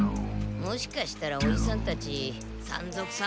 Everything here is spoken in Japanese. もしかしたらおじさんたち山賊さんですか？